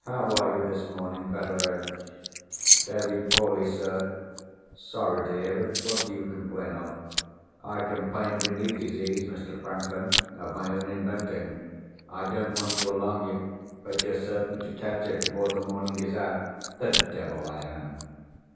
"How are you this morning, Betteredge?" "Very poorly, sir." "Sorry to hear it. What do you complain of?" "I complain of a new disease, Mr. Franklin, of my own inventing. I don't want to alarm you, but you're certain to catch it before the morning is out." "The devil I am!"